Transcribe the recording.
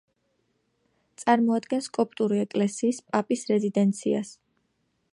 წარმოადგენს კოპტური ეკლესიის პაპის რეზიდენციას.